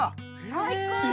最高。